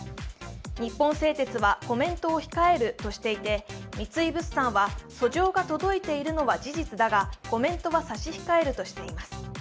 日本製鉄はコメントを控えるとしていて、三井物産は訴状が届いているのは事実だがコメントは差し控えるとしています。